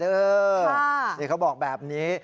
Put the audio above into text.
นี่เขาบอกแบบนี้